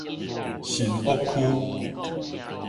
新屋區